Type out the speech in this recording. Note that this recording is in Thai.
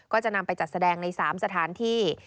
ก็จะนำไปจัดแสดงใน๓สถานที่